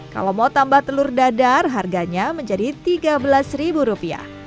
kalau mau tambah telur dadar harganya menjadi tiga belas ribu rupiah